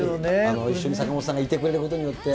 一緒に坂本さんがいてくれることによって。